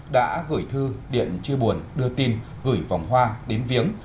đã gửi thư điện chia buồn đưa tin gửi vòng hoa đến viếng